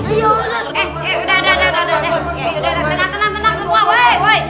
tenang tenang tenang